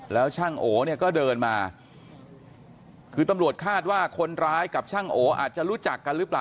แล้วช่างโอเนี่ยก็เดินมาคือตำรวจคาดว่าคนร้ายกับช่างโออาจจะรู้จักกันหรือเปล่า